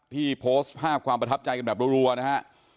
โพสต์ภาพความประทับใจกันแบบรัวนะฮะ